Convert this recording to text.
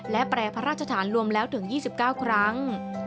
และแปรพระราชฐานรวมแล้วถึง๒๙ครั้ง